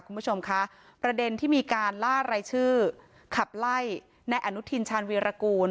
คุณผู้ชมคะประเด็นที่มีการล่ารายชื่อขับไล่ในอนุทินชาญวีรกูล